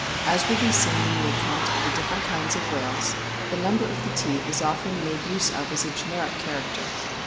As will be seen in the account of the different kinds of whales, the number of the teeth is often made use of as a generic character.